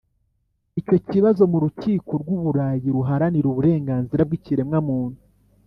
icyo kibazo mu Rukiko rw u Burayi Ruharanira Uburenganzira bw Ikiremwamuntu